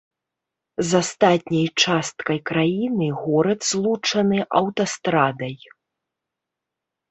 З астатняй часткай краіны горад злучаны аўтастрадай.